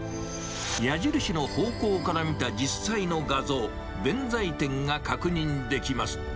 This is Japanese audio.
矢印の方向から見た実際の画像、弁財天が確認できます。